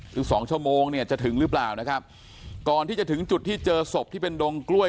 คือสองชั่วโมงเนี่ยจะถึงหรือเปล่านะครับก่อนที่จะถึงจุดที่เจอศพที่เป็นดงกล้วย